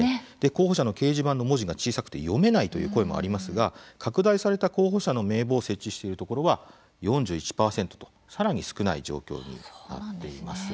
候補者の掲示板の文字が小さくて読めないという声もありますが拡大された候補者の名簿を設置しているところは４１％と更に少ない状況になっています。